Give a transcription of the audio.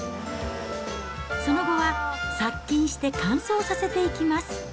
その後は、殺菌して乾燥させていきます。